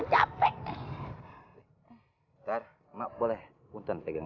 kejadian ini teh jadi ngingetin saya waktu zaman dulu saya pernah dikurung sama bapak saya di kamar